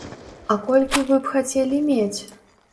А колькі вы б хацелі мець?